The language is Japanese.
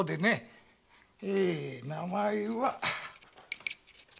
えと名前は。